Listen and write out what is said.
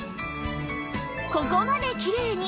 ここまできれいに！